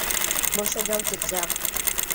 বসে যাও চুপচাপ।